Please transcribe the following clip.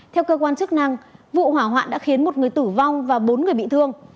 theo cơ quan chức năng vụ hỏa hoạn đã khiến một người tử vong và bốn người bị thương